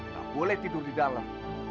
tak boleh tidur di dalam